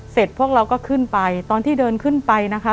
พวกเราก็ขึ้นไปตอนที่เดินขึ้นไปนะคะ